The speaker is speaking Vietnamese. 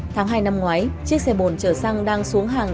tháng hai năm ngoái chiếc xe bồn chở xăng đang xuống hàng